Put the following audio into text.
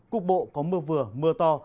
cục bộ có mưa vừa mưa to